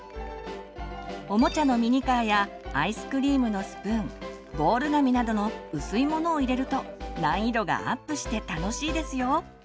おもちゃのミニカーやアイスクリームのスプーンボール紙などの薄いものを入れると難易度がアップして楽しいですよ。